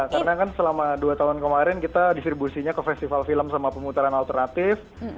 karena kan selama dua tahun kemarin kita distribusinya ke festival film sama pemutaran alternatif